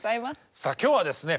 さあ今日はですね